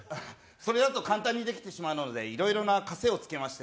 それだと簡単にできてしまうので、いろいろな枷をつけまして。